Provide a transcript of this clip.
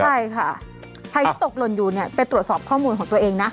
ใช่ค่ะใครที่ตกหล่นอยู่เนี่ยไปตรวจสอบข้อมูลของตัวเองนะ